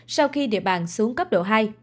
sau khi địa bàn xuống cấp độ hai